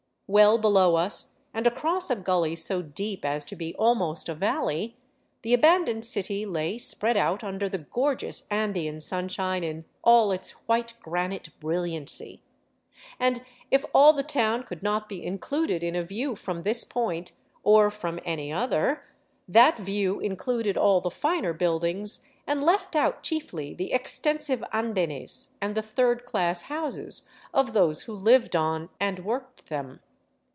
Well below us, and across a gully so deep as to be almost a valley, the abandoned city lay spread out under the gorgeous Andean sunshine in all its white granite brilliancy; and if all the town could not be included in a view from this point, or from any other, that view included all the finer buildings, and left out chiefly the extensive andenes and the third class houses of those who lived on and worked them.